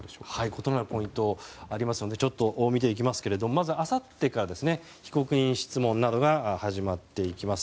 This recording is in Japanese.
異なるポイント見ていきますけれどもあさってから被告人質問などが始まっていきます。